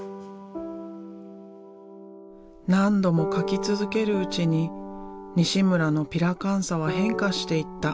何度も描き続けるうちに西村のピラカンサは変化していった。